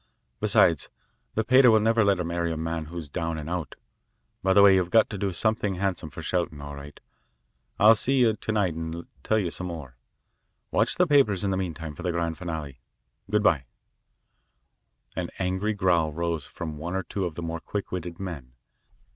Besides, the pater will never let her marry a man who's down and out. By the way, you've got to do something handsome for Shelton. All right. I'll see you to night and tell you some more. Watch the papers in the meantime for the grand finale. Good bye." An angry growl rose from one or two of the more quick witted men.